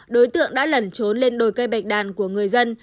đối tượng đã lẩn trốn lên đồi cây bạch đàn của người dân